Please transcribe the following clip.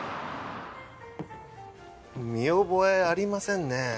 見覚えありませんねぇ。